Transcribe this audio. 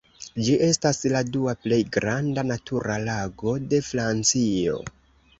Ĝi estas la dua plej granda natura lago de Francio.